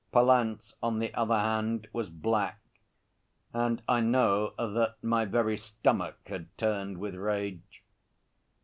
Pallant's, on the other hand, was black, and I know that my very stomach had turned with rage.